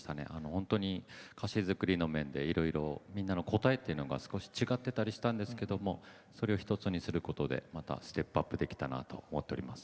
本当に歌詞作りの面で、いろいろみんなの答えというのが少し違っていたりしたんですけどそれを一つにすることでステップアップできたなと思っております。